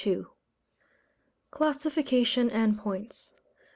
_] CLASSIFICATION AND POINTS.